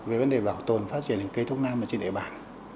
về vấn đề bảo tồn và phát triển cây thuốc nam trên địa bàn